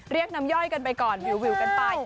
เรียกน้ำย่อยกันไปก่อนวิวกันไป